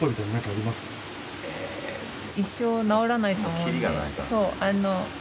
一生直らないと思うので。